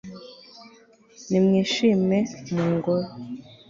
nimwishime, mu ngoro